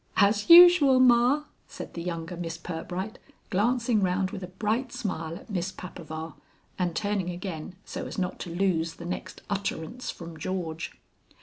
"As usual, Ma!" said the younger Miss Pirbright, glancing round with a bright smile at Miss Papaver, and turning again so as not to lose the next utterance from George.